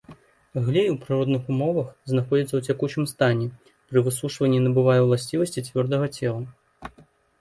Глей у прыродных умовах знаходзіцца ў цякучым стане, пры высушванні набывае ўласцівасці цвёрдага цела.